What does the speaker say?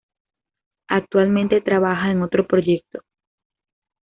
Actualmente trabaja en otro proyecto.